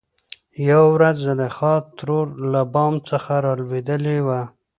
يوه ورځ زليخا ترور له بام څخه رالوېدلې وه .